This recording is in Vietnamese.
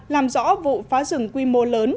làm rõ vụ phá rừng quy định